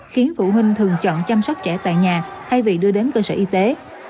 khiến phụ huynh thường chọn chăm sóc trẻ tại nhà thay vì đưa đến cơ sở y tế